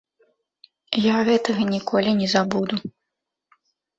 Я гэтага ніколі не забуду.